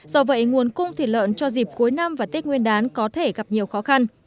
do vậy nguồn cung thịt lợn cho dịp cuối năm và tết nguyên đán có thể gặp nhiều khó khăn